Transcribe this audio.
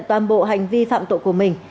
toàn bộ hành vi phạm tội của mình